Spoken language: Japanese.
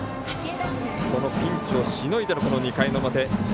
そのピンチをしのいでの２回の表。